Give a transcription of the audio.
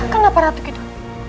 kenapa ratu kidul